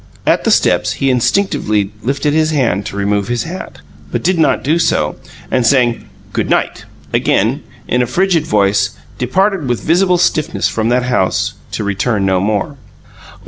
At the steps, he instinctively lifted his hand to remove his hat, but did not do so, and, saying "Goodnight," again in a frigid voice, departed with visible stiffness from that house, to return no more.